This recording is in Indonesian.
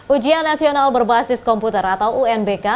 ujian nasional berbasis komputer atau unbk